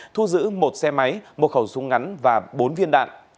thu giữ một xe máy một khẩu súng ngắn và bốn viên đạn